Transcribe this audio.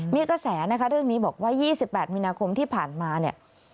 มีกระแสนะคะเรื่องนี้บอกว่า๒๘มีนาคมที่ผ่านมาเนี่ย